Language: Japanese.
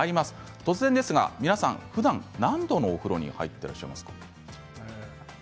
突然ですが皆さん、ふだん何度のお風呂に入っていますか？